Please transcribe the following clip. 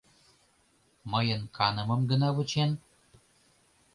Мыйын канымым гына вучен?